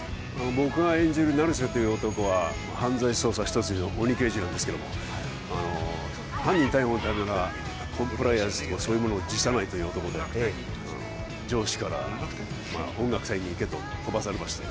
僕が演じる成瀬という男は、犯罪捜査一筋の鬼刑事なんですが、犯人逮捕のためならコンプライアンスなどそういうのを辞さないという男で上司から、音楽隊に行けと飛ばされました。